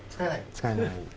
使えない。